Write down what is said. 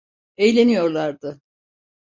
Eğleniyorlardı.